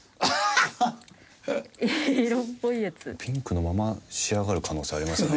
ピンクのまま仕上がる可能性ありますよね。